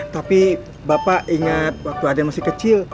tapi bapak ingat waktu aden masih kecil